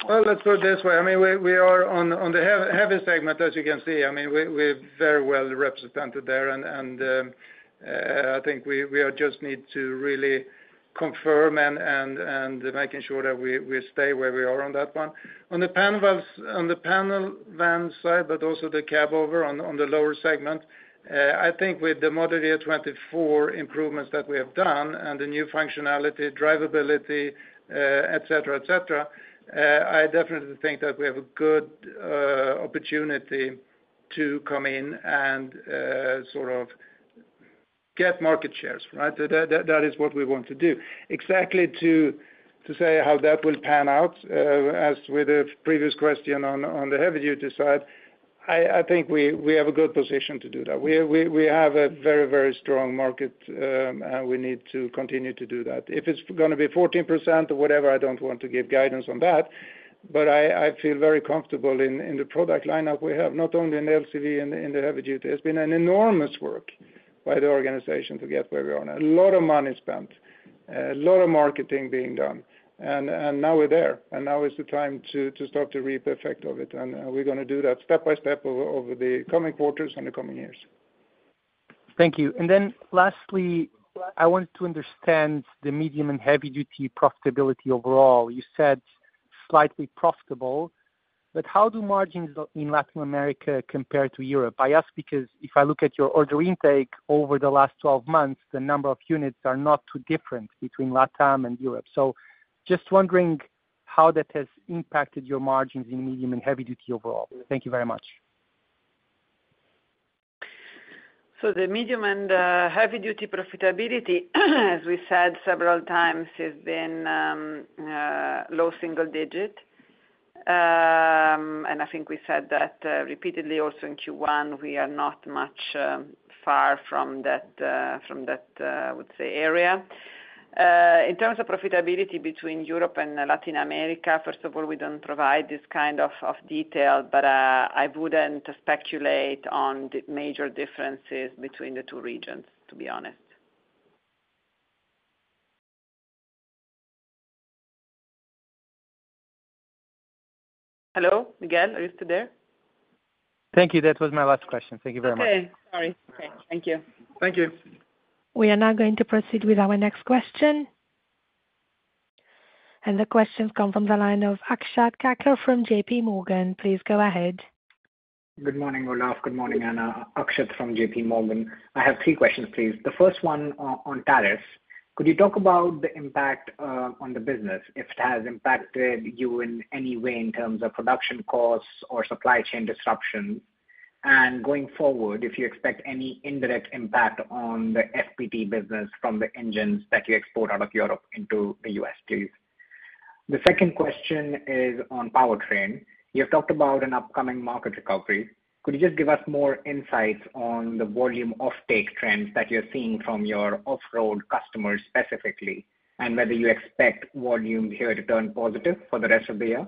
Let me put it this way. I mean, we are on the heavy segment, as you can see. I mean, we're very well represented there. I think we just need to really confirm and make sure that we stay where we are on that one. On the panel van side, but also the cab over on the lower segment, I think with the Model Year 2024 improvements that we have done and the new functionality, drivability, etc., etc., I definitely think that we have a good opportunity to come in and sort of get market shares, right? That is what we want to do. Exactly to say how that will pan out, as with the previous question on the heavy-duty side, I think we have a good position to do that. We have a very, very strong market, and we need to continue to do that. If it's going to be 14% or whatever, I don't want to give guidance on that. I feel very comfortable in the product lineup we have, not only in LCV and in the heavy-duty. It's been an enormous work by the organization to get where we are now. A lot of money spent, a lot of marketing being done. Now we're there. Now is the time to start to reap the effect of it. We're going to do that step by step over the coming quarters and the coming years. Thank you. Lastly, I wanted to understand the medium and heavy-duty profitability overall. You said slightly profitable. How do margins in Latin America compare to Europe? I ask because if I look at your order intake over the last 12 months, the number of units are not too different between LATAM and Europe. Just wondering how that has impacted your margins in medium and heavy-duty overall. Thank you very much. The medium and heavy-duty profitability, as we said several times, has been low single-digit. I think we said that repeatedly also in Q1. We are not much far from that, I would say, area. In terms of profitability between Europe and Latin America, first of all, we do not provide this kind of detail, but I would not speculate on the major differences between the two regions, to be honest. Hello? Miguel? Are you still there? Thank you. That was my last question. Thank you very much. Okay. Sorry. Okay. Thank you. Thank you. We are now going to proceed with our next question. The questions come from the line of Akshat Kacker from JP Morgan. Please go ahead. Good morning, Olof. Good morning, Anna. Akshat from JP Morgan. I have three questions, please. The first one on tariffs. Could you talk about the impact on the business, if it has impacted you in any way in terms of production costs or supply chain disruptions? Going forward, if you expect any indirect impact on the FPT business from the engines that you export out of Europe into the U.S., please. The second question is on powertrain. You've talked about an upcoming market recovery. Could you just give us more insights on the volume offtake trends that you're seeing from your off-road customers specifically, and whether you expect volume here to turn positive for the rest of the year?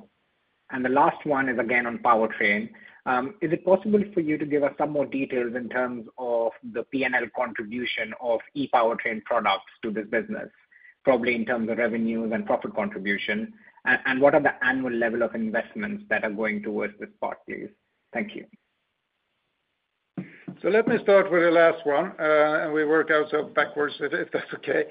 The last one is again on powertrain. Is it possible for you to give us some more details in terms of the P&L contribution of e-powertrain products to this business, probably in terms of revenues and profit contribution? What are the annual level of investments that are going towards this part, please? Thank you. Let me start with the last one. We work out backwards, if that's okay.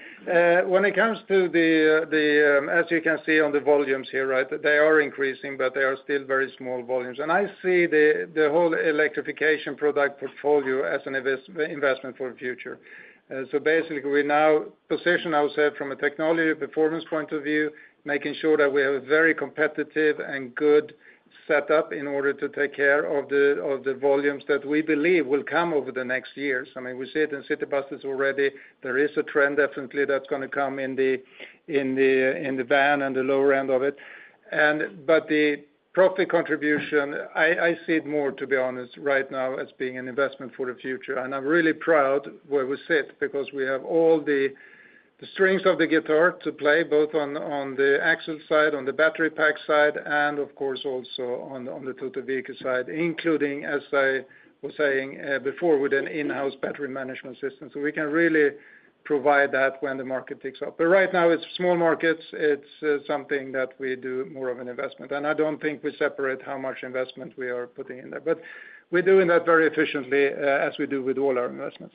When it comes to the, as you can see on the volumes here, right, they are increasing, but they are still very small volumes. I see the whole electrification product portfolio as an investment for the future. Basically, we now position ourselves from a technology performance point of view, making sure that we have a very competitive and good setup in order to take care of the volumes that we believe will come over the next years. I mean, we see it in city buses already. There is a trend definitely that's going to come in the van and the lower end of it. The profit contribution, I see it more, to be honest, right now as being an investment for the future. I'm really proud where we sit because we have all the strings of the guitar to play, both on the axle side, on the battery pack side, and of course, also on the total vehicle side, including, as I was saying before, with an in-house battery management system. We can really provide that when the market picks up. Right now, it's small markets. It's something that we do more of an investment. I don't think we separate how much investment we are putting in there. We're doing that very efficiently, as we do with all our investments.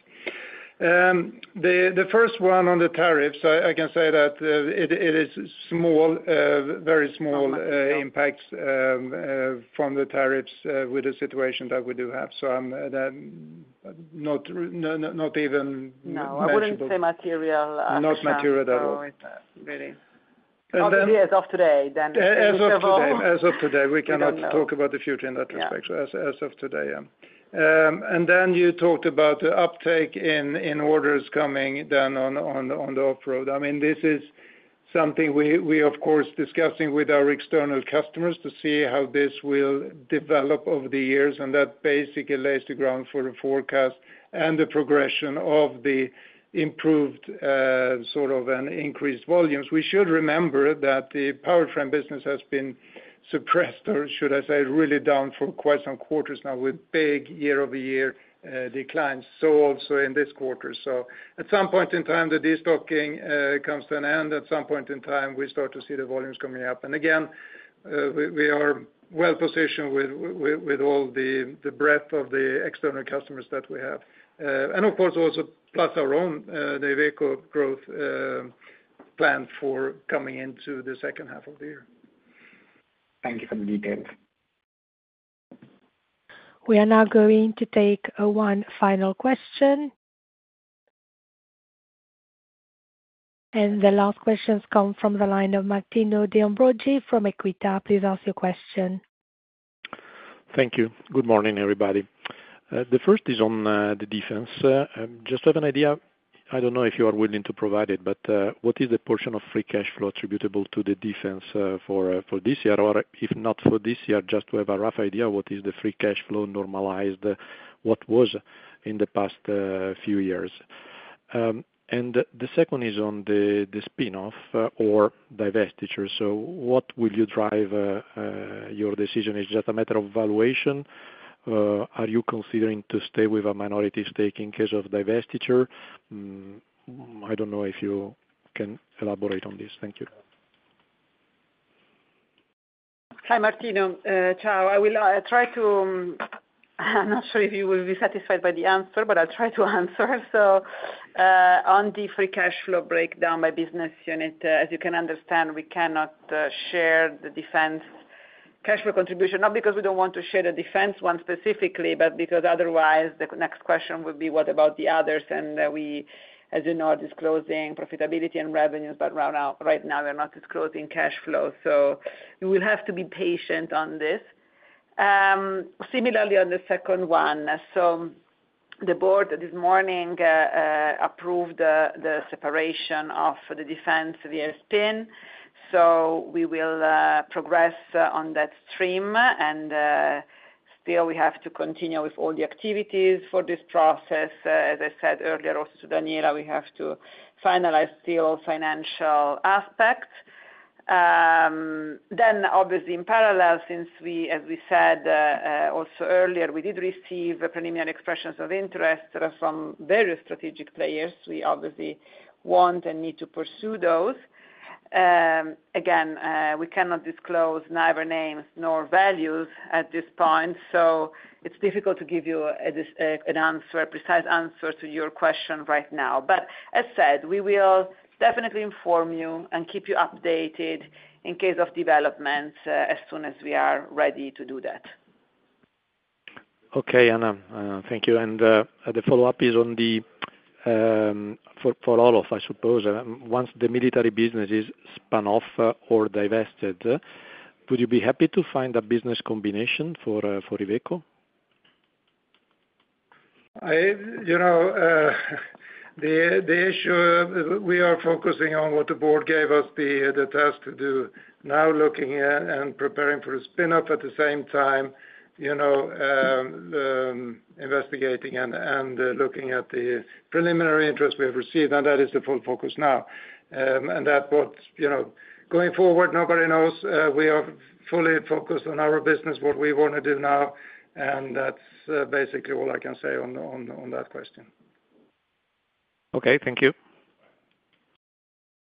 The first one on the tariffs, I can say that it is small, very small impacts from the tariffs with the situation that we do have. I'm not even mentioning that. No, I wouldn't say material. Not material at all. Really. Probably as of today, the future of our—as of today. As of today. We cannot talk about the future in that respect. As of today, yeah. You talked about the uptake in orders coming on the off-road. I mean, this is something we are, of course, discussing with our external customers to see how this will develop over the years. That basically lays the ground for the forecast and the progression of the improved sort of an increased volumes. We should remember that the powertrain business has been suppressed, or should I say, really down for quite some quarters now with big year-over-year declines. Also in this quarter. At some point in time, the destocking comes to an end. At some point in time, we start to see the volumes coming up. Again, we are well positioned with all the breadth of the external customers that we have. Of course, also plus our own vehicle growth planned for coming into the second half of the year. Thank you for the details. We are now going to take one final question. The last questions come from the line of Martino De Ambroggi from Equita. Please ask your question. Thank you. Good morning, everybody. The first is on the defense. Just to have an idea, I do not know if you are willing to provide it, but what is the portion of free cash flow attributable to the defense for this year, or if not for this year, just to have a rough idea, what is the free cash flow normalized? What was in the past few years? The second is on the spin-off or divestiture. What will you drive your decision? Is it just a matter of valuation? Are you considering to stay with a minority stake in case of divestiture? I do not know if you can elaborate on this. Thank you. Hi, Martino. Ciao. I will try to—I am not sure if you will be satisfied by the answer, but I will try to answer. On the free cash flow breakdown by business unit, as you can understand, we cannot share the defense cash flow contribution, not because we do not want to share the defense one specifically, but because otherwise the next question would be, what about the others? As you know, we are disclosing profitability and revenues, but right now we are not disclosing cash flow. We will have to be patient on this. Similarly, on the second one, the board this morning approved the separation of the defense via spin. We will progress on that stream. Still, we have to continue with all the activities for this process. As I said earlier, also to Daniela, we have to finalize still financial aspects. Obviously, in parallel, since we, as we said also earlier, we did receive preliminary expressions of interest from various strategic players. We obviously want and need to pursue those. Again, we cannot disclose neither names nor values at this point. It is difficult to give you an answer, precise answer to your question right now. As said, we will definitely inform you and keep you updated in case of developments as soon as we are ready to do that. Okay, Anna. Thank you. The follow-up is on the for all of, I suppose. Once the military business is spun off or divested, would you be happy to find a business combination for Iveco? The issue we are focusing on, what the board gave us the task to do now, looking and preparing for the spin-off at the same time, investigating and looking at the preliminary interest we have received. That is the full focus now. That is what going forward, nobody knows. We are fully focused on our business, what we want to do now. That's basically all I can say on that question. Thank you.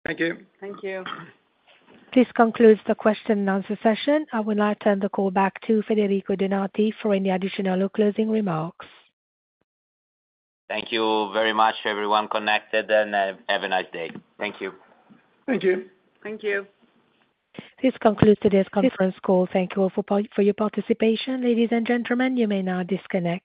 Thank you. Thank you. This concludes the question and answer session. I will now turn the call back to Federico Donati for any additional or closing remarks. Thank you very much, everyone. Connected and have a nice day. Thank you. Thank you. Thank you. This concludes today's conference call. Thank you all for your participation. Ladies and gentlemen, you may now disconnect.